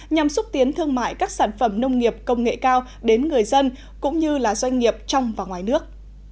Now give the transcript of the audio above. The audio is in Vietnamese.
nhằm xúc tiến thương mại các sản phẩm nông nghiệp công nghệ cao đến người dân cũng như doanh nghiệp trong và ngoài nước